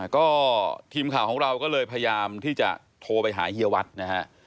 ก็ทีมข่าวของเราก็เลยพยายามที่จะโทรไปหาเฮียวัดนะฮะ